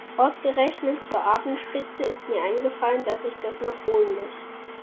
Ausgerechnet zur Abendspitze ist mir eingefallen, dass ich das noch holen muss.